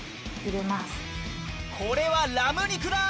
これはラム肉だ！